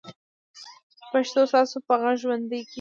پښتو ستاسو په غږ ژوندۍ کېږي.